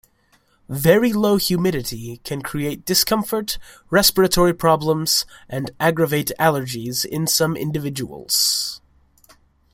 Very low humidity can create discomfort, respiratory problems, and aggravate allergies in some individuals.